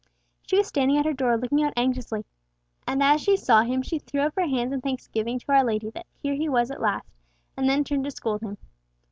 She was standing at her door looking out anxiously, and as she saw him she threw up her hands in thanksgiving to our Lady that here he was at last, and then turned to scold him.